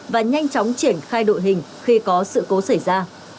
và nhanh chóng triển khai đội hình khi có sự cố xảy ra